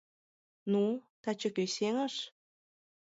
— Ну, таче кӧ сеҥыш?